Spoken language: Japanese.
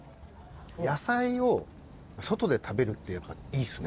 野菜を外で食べるっていいっすね。